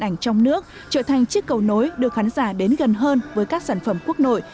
điện ảnh trong nước trở thành chiếc cầu nối đưa khán giả đến gần hơn với các sản phẩm quốc nội